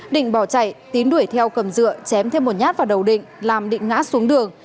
định bỏ chạy tín đuổi theo cầm dựa chém thêm một nhát vào đầu định làm định ngã xuống đường